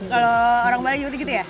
kalau orang bali cuma begitu ya